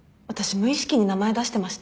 無意識に名前出してました？